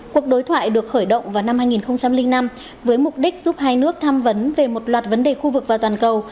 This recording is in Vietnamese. cuộc đối thoại được khởi động vào năm hai nghìn năm với mục đích giúp hai nước tham vấn về một loạt vấn đề khu vực và toàn cầu